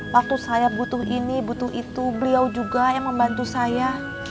waktu saya butuh ini butuh itu beliau juga yang membantu saya